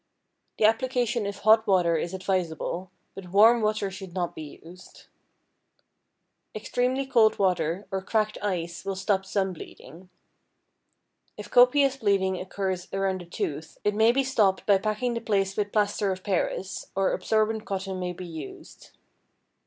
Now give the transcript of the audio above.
The application of hot water is advisable, but warm water should not be used. Extremely cold water or cracked ice will stop some bleeding. If copious bleeding occurs around a tooth, it may be stopped by packing the place with plaster of Paris, or absorbent cotton may be used.